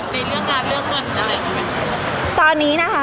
พี่ตอบได้แค่นี้จริงค่ะ